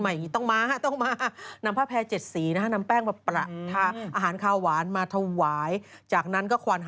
ไม่ความสำคัญทีแป้งก็บวกต้องเป็นแป้งยี่ห้ออะไรด้วยนะ